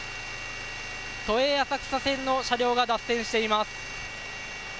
都営浅草線の車両が脱線しています。